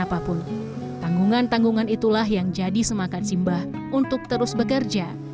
apapun tanggungan tanggungan itulah yang jadi semangat simbah untuk terus bekerja